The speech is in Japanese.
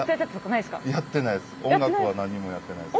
やってないです。